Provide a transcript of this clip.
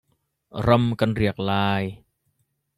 Ram kan riak lai.